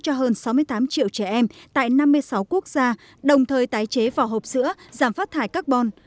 cho hơn sáu mươi tám triệu trẻ em tại năm mươi sáu quốc gia đồng thời tái chế vỏ hộp sữa giảm phát thải carbon